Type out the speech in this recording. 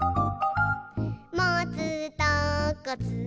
「もつとこつけて」